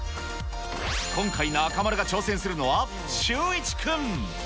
今回、中丸が挑戦するのはシューイチくん。